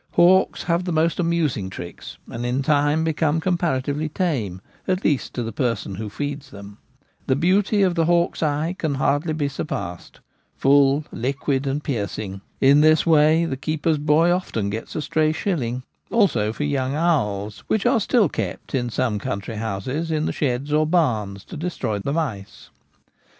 Hawks have most amusing tricks, and in time become comparatively tame, at least to the person who feeds them. The beauty of ' Hurling ' Rabbits. 3 5 the hawk's eye c&n hardly be surpassed : full, liquid, and piercing. In this way the keeper's boy often gets a stray shilling ; also for young owls, which are still kept in some country houses, in the sheds or barns, to destroy the mice.